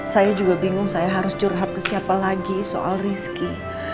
saya juga bingung saya harus curhat ke siapa lagi soal rizki